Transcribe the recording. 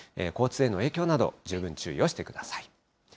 交通への影響など、十分注意をしてください。